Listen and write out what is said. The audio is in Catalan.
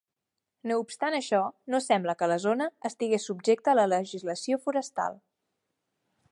No obstant això, no sembla que la zona estigués subjecte a la legislació forestal.